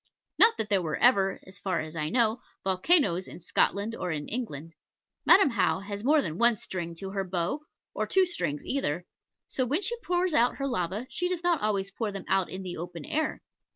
Not that there were ever (as far as I know) volcanos in Scotland or in England. Madam How has more than one string to her bow, or two strings either; so when she pours out her lavas, she does not always pour them out in the open air.